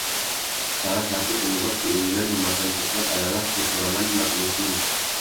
Salah satu penyebab keinginan memakan cokelat adalah kekurangan magnesium.